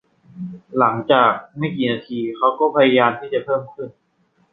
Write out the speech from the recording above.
หลังจากไม่กี่นาทีเขาก็พยายามที่จะเพิ่มขึ้น